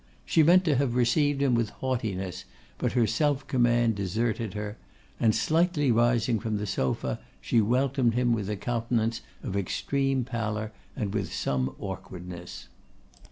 She meant to have received him with haughtiness, but her self command deserted her; and slightly rising from the sofa, she welcomed him with a countenance of extreme pallor and with some awkwardness.